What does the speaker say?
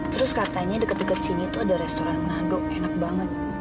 terus katanya dekat dekat sini tuh ada restoran menado enak banget